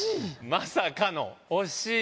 まさかの惜しい！